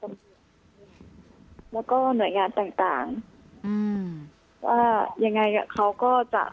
แล้วก็หน่วยงานต่างต่างอืมว่ายังไงเขาก็จะ